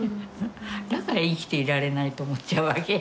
だから生きていられないと思っちゃうわけ。